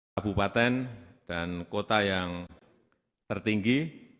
kabupaten dan kota yang tertinggi